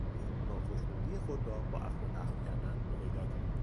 او ناخشنودی خود را با اخم و تخم کردن هویدا کرد.